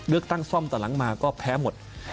เลือกตั้งซ่อมแต่หลังมาก็แพ้หมด